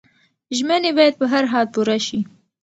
ژمنې باید په هر حال پوره شي.